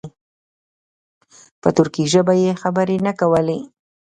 په ترکي ژبه یې خبرې نه کولې.